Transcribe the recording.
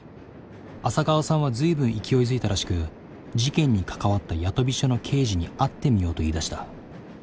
浅川さんは随分勢いづいたらしく事件に関わった八飛署の刑事に会ってみようと言いだした。